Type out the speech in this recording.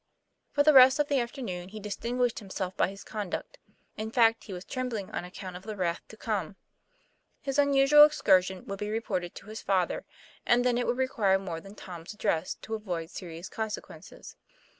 For the rest of the afternoon he distinguished him self by his conduct. In fact, he was trembling on account of the wrath to come, His unusual excur TOM PL A YFAIR. 27 sion would be reported to his father, and then it would require more than Tom's address to avoid serious consequences.